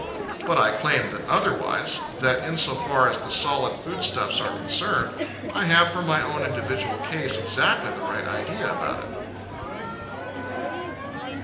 But I claim that otherwise that in so far as the solid foodstuffs are concerned I have, for my own individual case, exactly the right idea about it.